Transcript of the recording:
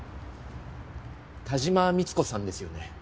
田島三津子さんですよね？